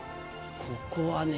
ここはね